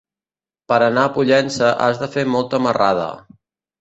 Per anar a Pollença has de fer molta marrada.